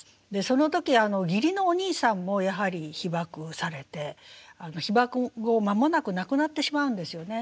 その時義理のお兄さんもやはり被爆されて被爆後間もなく亡くなってしまうんですよね。